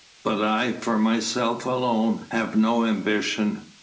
But I, for myself alone, have no ambition.